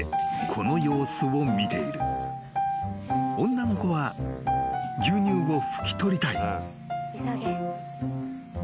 ［女の子は牛乳を拭き取りたい］